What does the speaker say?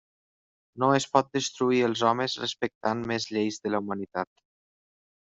No es pot destruir els homes respectant més les lleis de la humanitat.